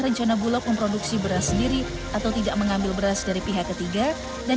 rencana bulog memproduksi beras sendiri atau tidak mengambil beras dari pihak ketiga dan